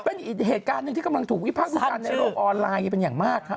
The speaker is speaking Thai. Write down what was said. เป็นอีกเหตุการณ์หนึ่งที่กำลังถูกวิพากษ์วิจารณ์ในโลกออนไลน์เป็นอย่างมากครับ